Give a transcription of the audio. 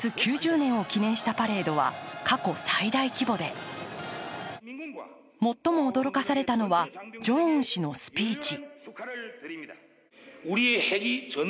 ９０年を記念したパレードは過去最大規模で最も驚かされたのはジョンウン氏のスピーチ。